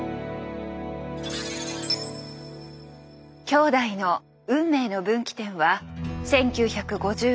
兄弟の運命の分岐点は１９５６年５月１７日。